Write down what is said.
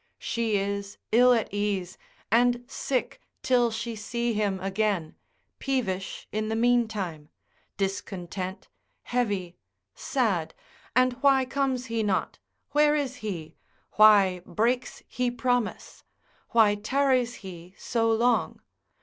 She is ill at ease, and sick till she see him again, peevish in the meantime; discontent, heavy, sad, and why comes he not? where is he? why breaks he promise? why tarries he so long?